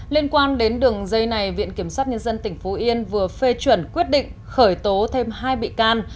liên quan đến đường dây này viện kiểm sát nhân dân tỉnh phú yên vừa phê chuẩn quyết định khởi tố thêm hai bị can